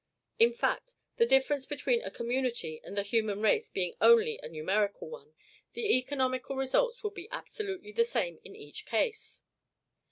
In fact, the difference between a community and the human race being only a numerical one, the economical results will be absolutely the same in each case.